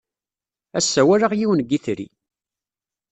Ass-a, walaɣ yiwen n yitri.